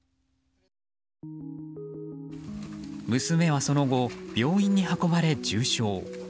娘はその後、病院に運ばれ重傷。